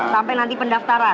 sampai nanti pendaftaran